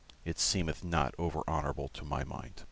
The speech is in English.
It seemeth not over honorable to my mind."